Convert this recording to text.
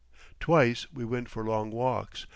Twice we went for long walks.